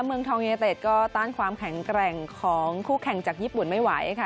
เมืองทองยูเนเต็ดก็ต้านความแข็งแกร่งของคู่แข่งจากญี่ปุ่นไม่ไหวค่ะ